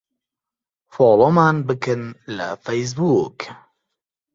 فۆلۆومان بکەن لە فەیسبووک.